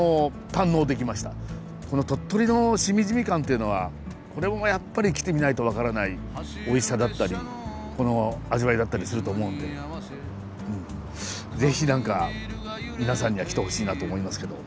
この鳥取のしみじみ感っていうのはこれもやっぱり来てみないと分からないおいしさだったりこの味わいだったりすると思うのでうんぜひ何か皆さんには来てほしいなと思いますけど。